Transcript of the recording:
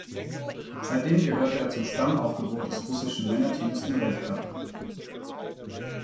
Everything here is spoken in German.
Seitdem gehörte er zum Stammaufgebot des russischen Männerteams im Weltcup.